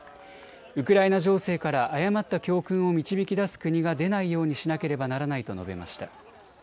ウクライナ情勢から誤った教訓を導き出す国が出ないようにしなければならないと述べました。